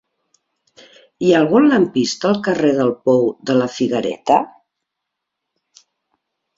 Hi ha algun lampista al carrer del Pou de la Figuereta?